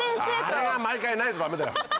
あれが毎回ないとダメだよ。